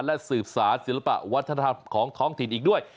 และสืบสารศิลปะวัฒนธรรมของท้องถิ่นอีกด้วย